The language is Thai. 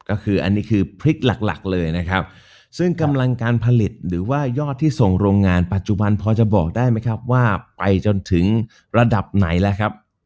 ก็คืออันนี้คือพริกหลักหลักเลยนะครับซึ่งกำลังการผลิตหรือว่ายอดที่ส่งโรงงานปัจจุบันพอจะบอกได้ไหมครับว่าไปจนถึงระดับไหนแล้วครับ